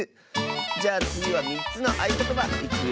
じゃあつぎは３つのあいことばいくよ！